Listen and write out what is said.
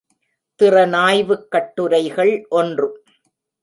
திறனாய்வுக் கட்டுரைகள் ஒன்று.